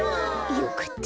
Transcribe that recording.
よかった。